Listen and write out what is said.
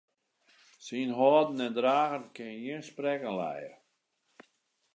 Syn hâlden en dragen kin gjin sprekken lije.